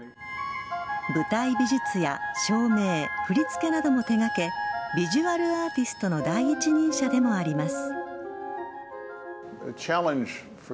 舞台美術や照明振り付けなどを手掛けビジュアルアーティストの第一人者でもあります。